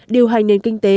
điều hành nền kinh tế